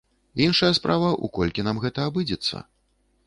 Іншая справа, у колькі нам гэта абыдзецца.